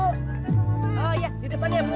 di depan ya bu